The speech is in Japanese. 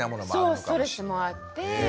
そうストレスもあって。